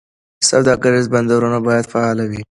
سوداګریز بندرونه باید فعال وي.